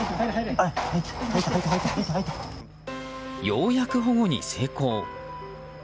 ようやく保護に成功。